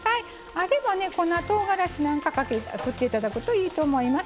あればね粉とうがらしなんか振って頂くといいと思います。